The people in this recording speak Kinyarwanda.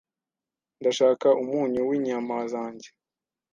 Ndashaka umunyu winyama zanjye.